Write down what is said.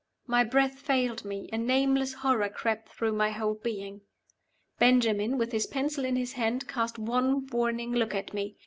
My breath failed me; a nameless horror crept through my whole being. Benjamin, with his pencil in his hand, cast one warning look at me.